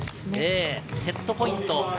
セットポイント。